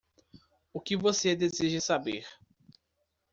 O que você deseja saber?